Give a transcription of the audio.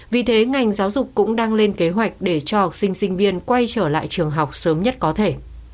vì thế ngành giáo dục cũng đang lên kế hoạch để cho học sinh sinh viên quay trở lại trường học sớm nhất có thể